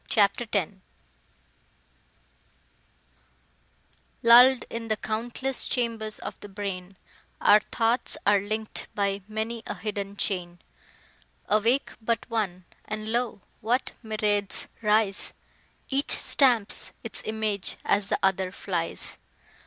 CHAPTER X Lull'd in the countless chambers of the brain, Our thoughts are link'd by many a hidden chain: Awake but one, and lo! what myriads rise! Each stamps its image as the other flies!